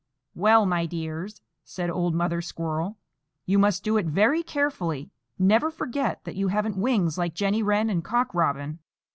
"Well, my dears," said old Mother Squirrel, "you must do it very carefully; never forget that you haven't wings like Jenny Wren and Cock Robin."